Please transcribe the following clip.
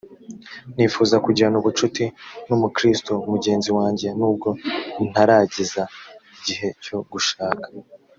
nifuza kugirana ubucuti n umukristo mugenzi wanjye nubwo ntarageza igihe cyo gushaka